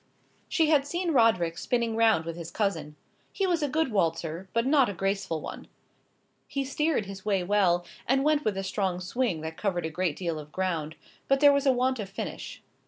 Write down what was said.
She had seen Roderick spinning round with his cousin. He was a good waltzer, but not a graceful one. He steered his way well, and went with a strong swing that covered a great deal of ground; but there was a want of finish.